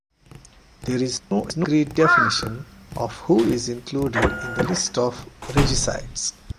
There is no agreed definition of who is included in the list of regicides.